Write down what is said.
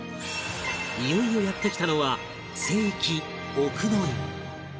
いよいよやって来たのは聖域奥之院